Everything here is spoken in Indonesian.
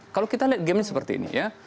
kalau kita lihat gamenya seperti ini ya